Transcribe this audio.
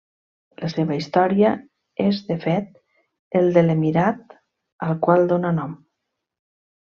La seva història és de fet el de l'emirat al qual dóna nom.